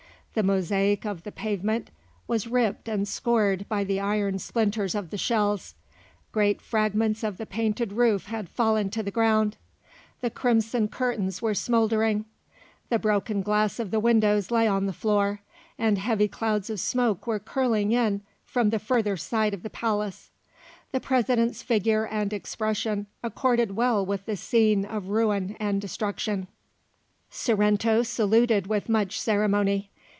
The mosaic of the pavement was ripped and scored by the iron splinters of the shells; great fragments of the painted roof had fallen to the ground; the crimson curtains were smouldering; the broken glass of the windows lay on the floor, and heavy clouds of smoke were curling in from the further side of the palace. The President's figure and expression accorded well with the scene of ruin and destruction. Sorrento saluted with much ceremony.